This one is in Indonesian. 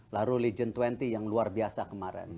lalu legion dua puluh yang luar biasa kemarin